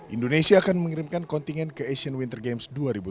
indonesia akan mengirimkan kontingen ke asian winter games dua ribu delapan belas